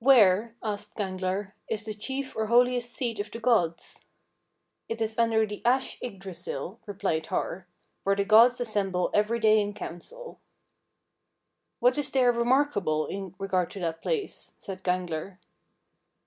16. "Where," asked Gangler, "is the chief or holiest seat of the gods?" "It is under the ash Yggdrasill," replied Har, "where the gods assemble every day in council." "What is there remarkable in regard to that place?" said Gangler.